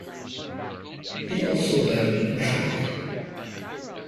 He also lettered in track.